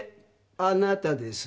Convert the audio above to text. あなたです。